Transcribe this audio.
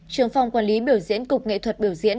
trường phòng quản lý biểu diễn cục nghệ thuật biểu diễn